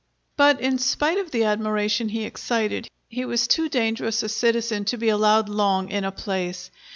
But in spite of the admiration he excited, he was too dangerous a citizen to be allowed long in a place.